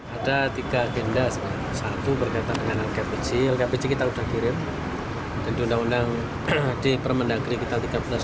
ada tiga agenda satu berkaitan dengan lkpj lkpj kita sudah kirim dan diundang undang di permendagri kita tiga belas dua ribu tujuh